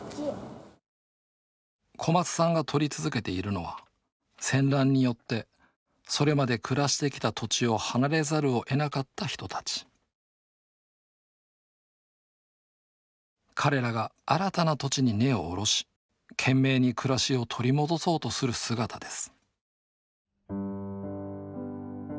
小松さんが撮り続けているのは戦乱によってそれまで暮らしてきた土地を離れざるをえなかった人たち彼らが新たな土地に根を下ろし懸命に暮らしを取り戻そうとする姿です